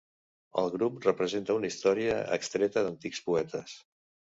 El grup representa una història extreta d'antics poetes.